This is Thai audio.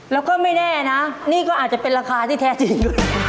แล้วก็ไม่แน่นะนี่ก็อาจจะเป็นราคาที่แท้จริง